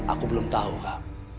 aku belum tahu kak